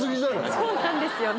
そうなんですよね。